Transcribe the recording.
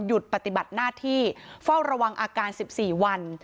ปฏิบัติหน้าที่เฝ้าระวังอาการ๑๔วัน